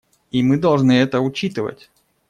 И мы должны это учитывать.